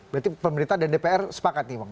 berarti pemerintah dan dpr sepakat nih bang